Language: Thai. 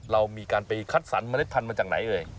เรามีการไปคัดสรรเมล็ดพันธุ์มาจากไหนเอ่ย